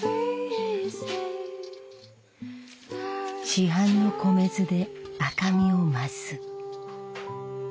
市販の米酢で赤みを増す。